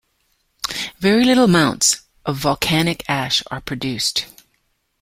Very little amounts of volcanic ash are produced.